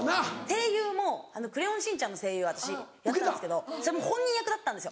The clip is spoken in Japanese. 声優も『クレヨンしんちゃん』の声優私やったんですけどそれも本人役だったんですよ。